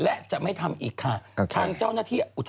เอาไปเอาแม่ยายส่วนเปิด